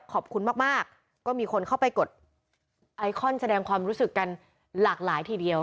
ขอบคุณมากก็มีคนเข้าไปกดไอคอนแสดงความรู้สึกกันหลากหลายทีเดียว